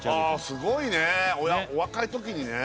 すごいねお若いときにね